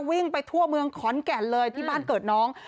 วิ่งไปทั่วเมืองขอนแก่นเลยที่บ้านเกิดน้อง